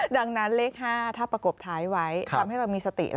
ดังนั้นเลข๕ถ้าประกบท้ายไว้ทำให้เรามีสติ